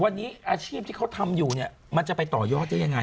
วันนี้อาชีพที่เขาทำอยู่เนี่ยมันจะไปต่อยอดได้ยังไง